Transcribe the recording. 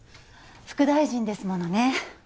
副大臣ですものね。